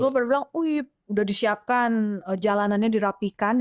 semua baru bilang wuih udah disiapkan jalanannya dirapikan